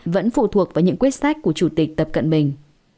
vẫn phụ thuộc vào những quyết sách của chủ tịch tập cận bình